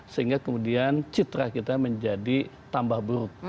sehingga kemudian citra kita menjadi tambah buruk